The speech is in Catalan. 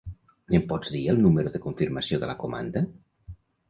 Em pots dir el número de confirmació de la comanda?